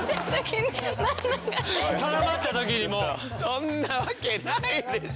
そんなわけないでしょ！